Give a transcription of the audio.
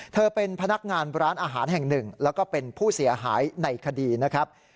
เธอเป็นพนักงานร้านอาหารแห่งหนึ่งแล้วก็เป็นผู้เสียหายในคดีนะครับ